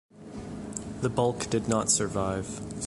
The bulk did not survive.